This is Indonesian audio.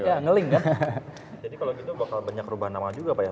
jadi kalau gitu bakal banyak rubahan nama juga pak ya